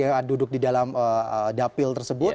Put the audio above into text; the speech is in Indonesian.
yang duduk di dalam dapil tersebut